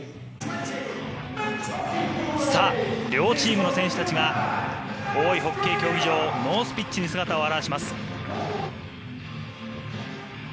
両チームの選手たちが大井ホッケー競技場ノースピッチに姿を現します。